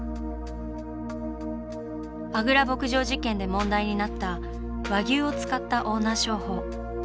安愚楽牧場事件で問題になった和牛を使ったオーナー商法。